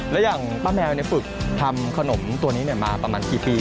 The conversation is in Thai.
แล้วอย่างป้าแมวฝึกทำขนมตัวนี้มาประมาณกี่ปี